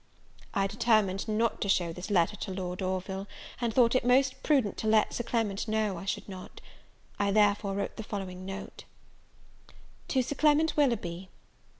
I determined not to show this letter to Lord Orville, and thought it most prudent to let Sir Clement know I should not. I therefore wrote the following note: "To Sir Clement Willoughby.